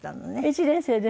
１年生です。